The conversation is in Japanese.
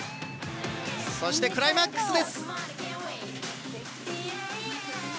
そしてクライマックスです。